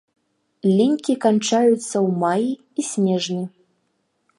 Лінькі канчаюцца ў маі і снежні.